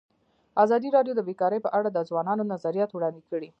ازادي راډیو د بیکاري په اړه د ځوانانو نظریات وړاندې کړي.